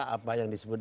apa yang disebut